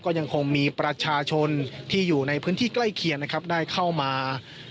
ก็ยังคงมีประชาชนที่อยู่ในพื้นที่ใกล้เคียงนะครับได้เข้ามา